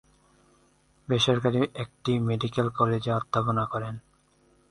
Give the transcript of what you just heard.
বেসরকারি একটি মেডিকেল কলেজে অধ্যাপনা করেন।